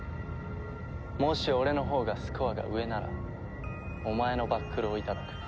もし俺のほうがスコアが上ならお前のバックルをいただく。